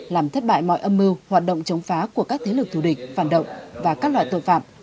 làm thất bại mọi âm mưu hoạt động chống phá của các thế lực thù địch phản động và các loại tội phạm